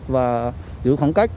và giữ khoảng cách